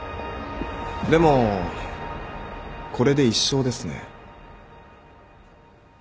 でもこれで一勝ですね。